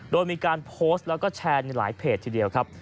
โดยมีการโพสต์แล้วก็แชร์ในหลายเพจทีเดียวครับ